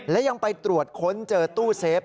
และยังไปตรวจค้นเจอตู้เซฟ